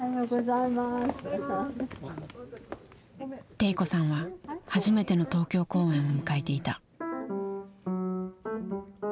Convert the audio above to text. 悌子さんは初めての東京公演を迎えていた。